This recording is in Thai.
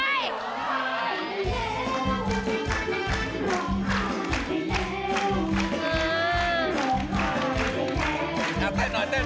เย่ร้องผิด